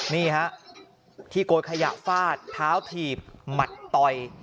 นี่ฮะที่โกยขยะฟาดเท้าถีบหมัดต่อย